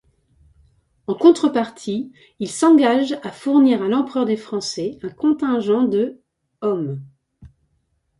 En contrepartie, il s’engage à fournir à l’empereur des Français un contingent de hommes.